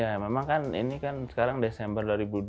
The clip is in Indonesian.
ya memang kan ini kan sekarang desember dua ribu dua puluh